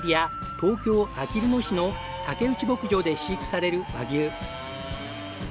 東京あきる野市の竹内牧場で飼育される和牛。